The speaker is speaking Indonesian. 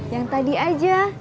yang tadi aja